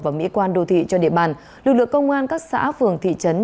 và mỹ quan đô thị cho địa bàn lực lượng công an các xã phường thị trấn